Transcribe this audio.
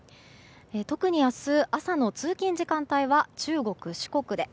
特に明日朝の通勤時間帯は中国・四国で。